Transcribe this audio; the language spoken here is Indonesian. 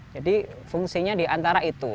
jadi fungsinya di antara itu